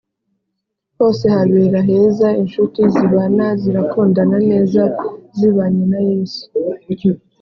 Hose habera heza inshuti zibana zirakundana neza zibanye na Yesu